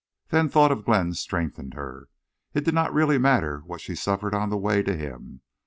Then thought of Glenn strengthened her. It did not really matter what she suffered on the way to him.